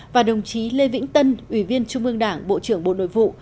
và đồng chí lê vĩnh tân ủy viên trung ương đảng bộ trưởng bộ nội vụ